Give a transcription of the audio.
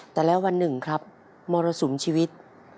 แต่ละวันหนึ่งครับมรสุมชีวิต